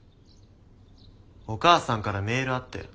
お母さんからメールあったよ。